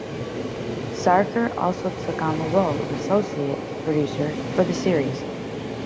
Sarker also took on the role of associate producer for the series.